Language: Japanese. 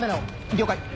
了解！